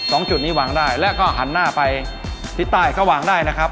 จุดนี้หวังได้แล้วก็หันหน้าไปทิศใต้สว่างได้นะครับ